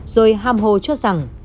rồi ham hồ cho rằng